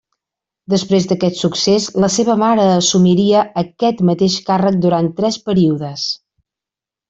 Després d'aquest succés la seva mare assumiria aquest mateix càrrec durant tres períodes.